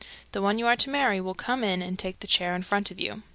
The one you are to marry will come in and take the chair in front of you.